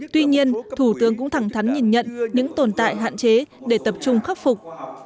tuy nhiên thủ tướng cũng thẳng thắn nhìn nhận những tồn tại hạn chế để tập trung khắc phục